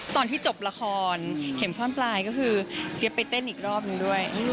ตอนที่จบละครเข็มซ่อนปลายก็คือเจี๊ยบไปเต้นอีกรอบนึงด้วย